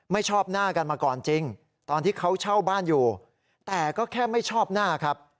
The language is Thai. ชอบหน้ากันมาก่อนจริงตอนที่เขาเช่าบ้านอยู่แต่ก็แค่ไม่ชอบหน้าครับ